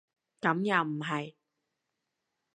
咁又唔係